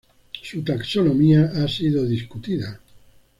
Su taxonomía ha sido discutida.